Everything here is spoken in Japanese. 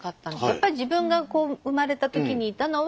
やっぱり自分が生まれた時にいたのはおばあちゃん。